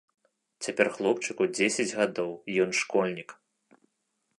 Цяпер хлопчыку дзесяць гадоў, ён школьнік.